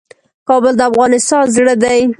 کابل د افغانستان زړه دی